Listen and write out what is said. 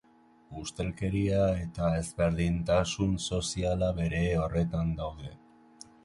Ustelkeria eta ezberdintasun soziala bere horretan daude.